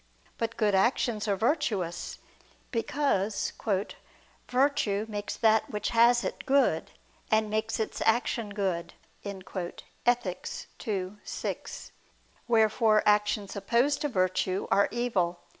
But good actions are virtuous; because "virtue makes that which has it, good, and makes its action good" (Ethic. ii, 6): wherefore actions opposed to virtue are evil.